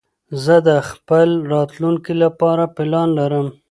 زه د خپل راتلونکي لپاره پلان لرم.